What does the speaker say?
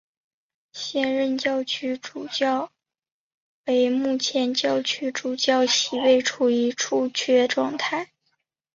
现任教区主教为目前教区主教席位处于出缺状态。